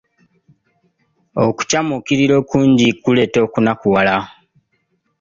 Okucamuukirira okungi kuleeta okunakuwala.